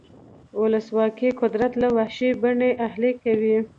ولسواکي قدرت له وحشي بڼې اهلي کوي.